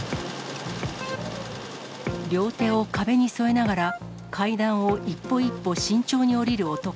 両手を壁に添えながら、階段を一歩一歩慎重に下りる男。